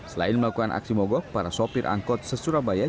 selain melakukan aksi mogok para sopir angkut di surabaya